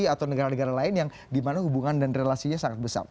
atau negara negara lain yang dimana hubungan dan relasinya sangat besar